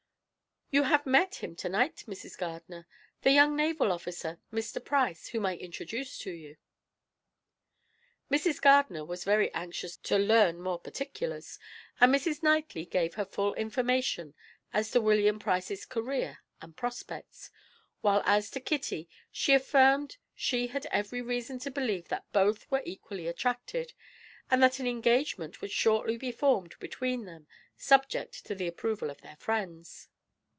"You have met him to night, Mrs. Gardiner, the young naval officer, Mr. Price, whom I introduced to you." Mrs. Gardiner was very anxious to learn more particulars, and Mrs. Knightley gave her full information as to William Price's career and prospects, while as to Kitty, she affirmed she had every reason to believe that both were equally attracted, and that an engagement would shortly be formed between them, subject to the approval of their friends.